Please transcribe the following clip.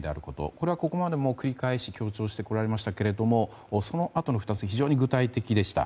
これはここまで繰り返し強調してこられましたがその後の２つは非常に具体的でした。